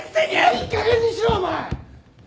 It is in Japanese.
いいかげんにしろお前！